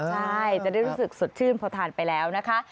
ใช่จะได้รู้สึกสดชื่นพอทานไปแล้วนะคะ